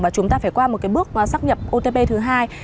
và chúng ta phải qua một bước xác nhập otp thứ hai